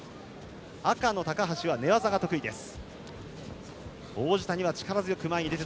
赤の高橋は寝技が得意です。